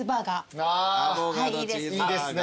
あいいですね。